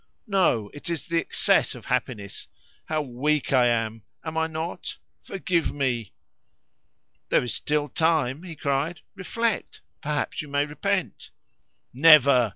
No; it is the excess of happiness. How weak I am, am I not? Forgive me!" "There is still time!" he cried. "Reflect! perhaps you may repent!" "Never!"